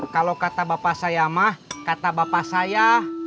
kalau kata bapak saya mah kata bapak saya